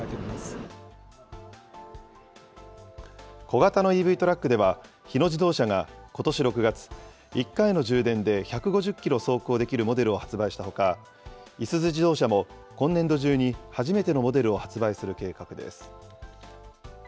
小型のＥＶトラックでは、日野自動車がことし６月、１回の充電で１５０キロ走行できるモデルを発売したほか、いすゞ自動車も今年度中に初めてのモデルを発売する計画です。